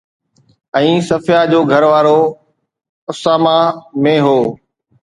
۽ صفيه جو گهروارو اسامه ۾ هو